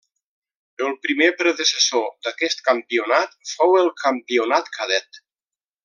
El primer predecessor d'aquest campionat fou el Campionat Cadet.